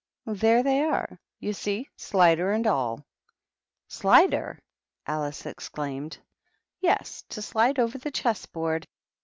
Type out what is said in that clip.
" There they are, you see, slider and all." " Slider /" Alice exclaimed. "Yes, to slide over the chess board.